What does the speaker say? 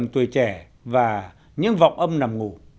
trẻ và những vọng âm nằm ngủ